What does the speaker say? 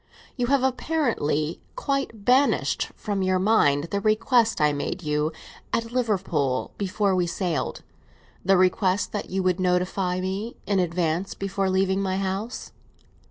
"You have apparently quite banished from your mind the request I made you at Liverpool, before we sailed; the request that you would notify me in advance before leaving my house."